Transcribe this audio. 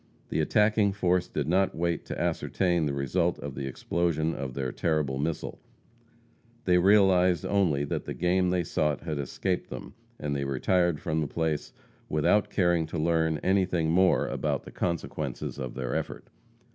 The attacking force did not wait to ascertain the result of the explosion of their terrible missile. They realized only that the game they sought had escaped them, and they retired from the place without caring to learn anything more about the consequences of their effort.